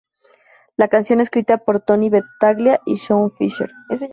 La canción escrita por Tony Battaglia y Shaun Fisher.